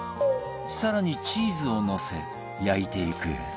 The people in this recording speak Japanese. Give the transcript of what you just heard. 更にチーズをのせ焼いていく